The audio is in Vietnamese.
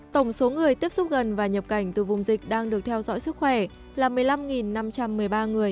tổng số người tiếp xúc gần và nhập cảnh từ vùng dịch đang được theo dõi sức khỏe là một mươi năm năm trăm một mươi ba người